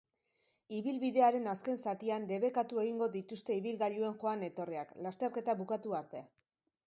Ibilbidearen azken zatian debekatu egingo dituzte ibilgailuen joan-etorriak, lasterketa bukatu arte.